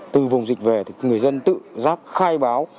từ vùng dịch về thì người dân tự giác khai báo